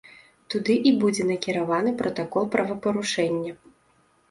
Туды і будзе накіраваны пратакол правапарушэння.